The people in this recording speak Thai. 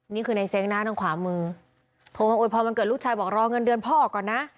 นี่คือในเซ้งหน้าทางขวามือโทรมาอวยพรวันเกิดลูกชายบอกรอเงินเดือนพ่อออกก่อนนะ